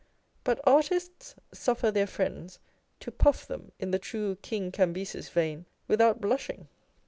But artists suffer their friends to puff them in the true " King Cambyses' vein " without blushing.